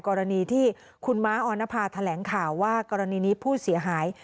กรณีที่คุณม้าออนภาแถลงข่าวว่ากรณีนี้ผู้เสียหาย